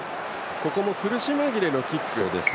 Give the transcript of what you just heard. ここも苦し紛れのキック。